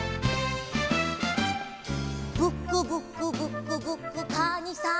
「ブクブクブクブクかにさんあるき」